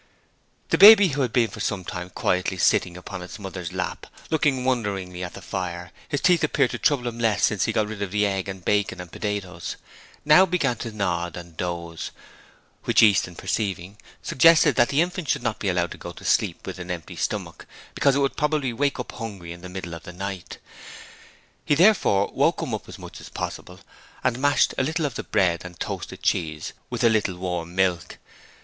The baby, who had been for some time quietly sitting upon his mother's lap, looking wonderingly at the fire his teeth appeared to trouble him less since he got rid of the eggs and bacon and potatoes now began to nod and doze, which Easton perceiving, suggested that the infant should not be allowed to go to sleep with an empty stomach, because it would probably wake up hungry in the middle of the night. He therefore woke him up as much as possible and mashed a little of the bread and toasted cheese with a little warm milk.